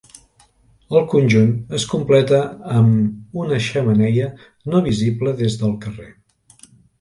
El conjunt es completa amb una xemeneia no visible des del carrer.